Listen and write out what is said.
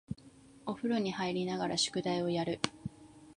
お風呂に入りながら宿題をやる